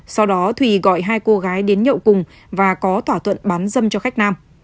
sau đó thùy gọi hai cô gái đến nhậu cùng và có thỏa thuận bán dâm cho khách nam